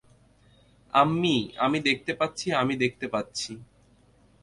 আম্মি আমি দেখতে পাচ্ছি, আমি দেখতে পাচ্ছি।